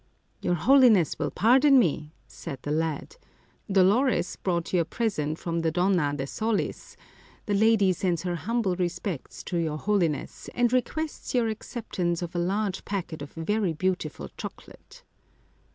" Your Holiness will pardon me," said the lad ;" Dolores brought you a present from the Donna de Solis ; the lady sends her humble respects to your Holiness, and requests your acceptance of a large packet of very beautiful chocolate."